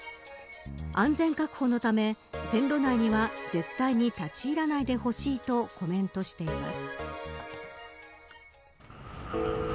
安全確保のため線路内には絶対に立ち入らないでほしいとコメントしています。